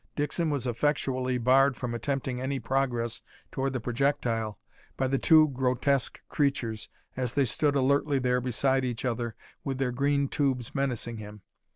Dixon was effectually barred from attempting any progress toward the projectile by the two grotesque creatures as they stood alertly there beside each other with their green tubes menacing him.